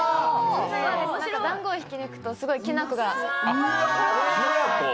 だんごを引き抜くと、すごいきな粉が。